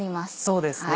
そうですね。